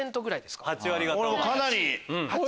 かなり。